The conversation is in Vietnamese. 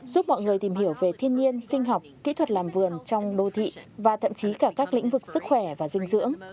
giúp mọi người tìm hiểu về thiên nhiên sinh học kỹ thuật làm vườn trong đô thị và thậm chí cả các lĩnh vực sức khỏe và dinh dưỡng